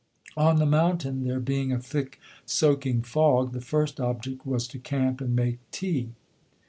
On the mountain there being a thick soaking fog, the first object was to camp and make tea.